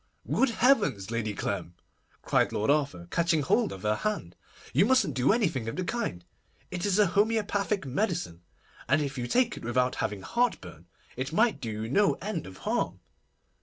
'Good heavens! Lady Clem,' cried Lord Arthur, catching hold of her hand, 'you mustn't do anything of the kind. It is a homoeopathic medicine, and if you take it without having heartburn, it might do you no end of harm.